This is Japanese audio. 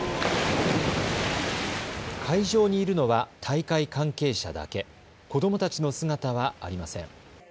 会場にいるのは大会関係者だけ、子どもたちの姿はありません。